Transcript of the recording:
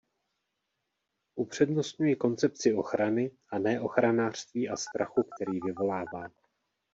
Upřednostňuji koncepci ochrany, a ne ochranářství a strachu, který vyvolává.